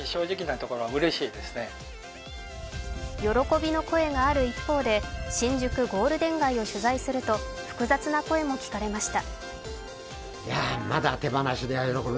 喜びの声がある一方で、新宿ゴールデン街を取材すると複雑な声も聞かれました。